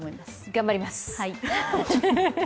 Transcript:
頑張ります！